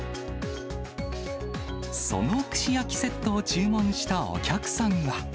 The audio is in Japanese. その串焼きセットを注文したお客さんは。